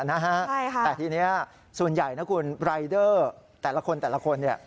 แต่ทีนี้ส่วนใหญ่นะคุณรายเดอร์แต่ละคนแต่ละคนเนี่ย